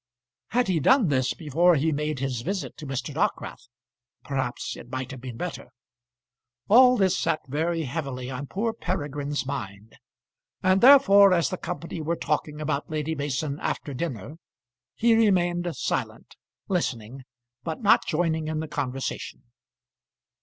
Had he done this before he made his visit to Mr. Dockwrath, perhaps it might have been better. All this sat very heavily on poor Peregrine's mind; and therefore as the company were talking about Lady Mason after dinner, he remained silent, listening, but not joining in the conversation.